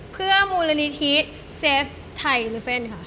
เพื่อมูลนิธิเซฟไทยลิเฟนค่ะ